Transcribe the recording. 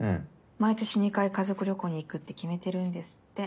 毎年２回家族旅行に行くって決めてるんですって。